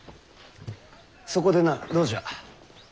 そこでなどうじゃ？